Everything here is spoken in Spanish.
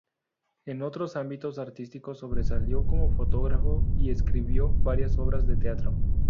En otros ámbitos artísticos sobresalió como fotógrafo y escribió varias obras de teatro.